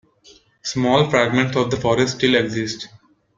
Small fragments of the forest still exist.